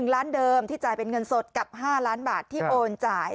ล้านเดิมที่จ่ายเป็นเงินสดกับ๕ล้านบาทที่โอนจ่าย